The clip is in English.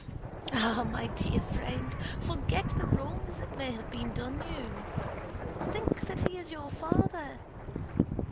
"Ah, my dear friend! Forget the wrongs that may have been done you. Think that he is your father